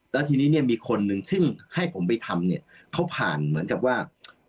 แล้วทีนี้เนี่ยมีคนหนึ่งซึ่งให้ผมไปทำเนี่ยเขาผ่านเหมือนกับว่า